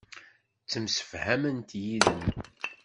Ttemsefhament yid-m.